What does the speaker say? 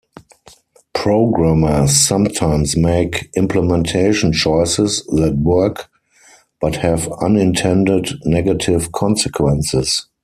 Programmers sometimes make implementation choices that work but have unintended negative consequences.